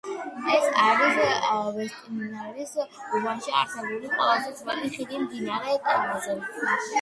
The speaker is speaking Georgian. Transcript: ეს არის ვესტმინსტერის უბანში არსებული ყველაზე ძველი ხიდი მდინარე ტემზაზე.